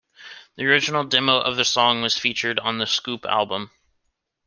The original demo of the song, was featured on the "Scoop" album.